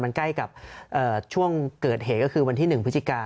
มันใกล้กับช่วงเกิดเหตุก็คือวันที่๑พฤศจิกา